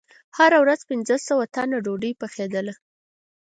هره ورځ پنځه سوه تنه ډوډۍ پخېدله.